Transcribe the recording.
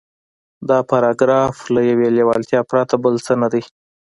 دا پاراګراف له يوې لېوالتیا پرته بل څه نه دی.